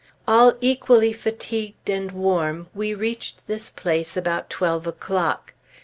All equally fatigued and warm, we reached this place about twelve o'clock.